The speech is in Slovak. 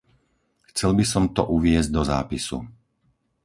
Chcel by som to uviesť do zápisu.